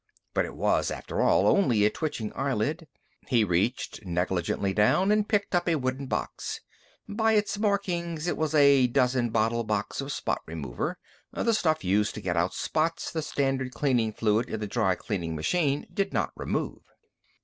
But it was, after all, only a twitching eyelid. He reached negligently down and picked up a wooden box. By its markings, it was a dozen bottle box of spot remover the stuff used to get out spots the standard cleaning fluid in the dry cleaning machine did not remove.